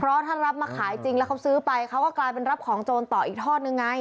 เพราะถ้ารับมาขายจริงแล้วเขาซื้อไปเขาก็กลายเป็นรับของโจรต่ออีกทอดนึงไง